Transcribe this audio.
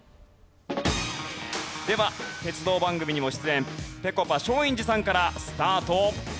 では鉄道番組にも出演ぺこぱ松陰寺さんからスタート。